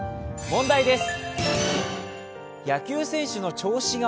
問題です。